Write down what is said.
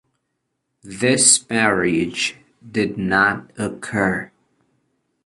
This marriage did not occur.